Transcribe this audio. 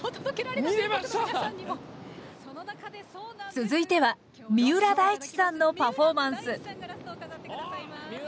続いては三浦大知さんのパフォーマンス。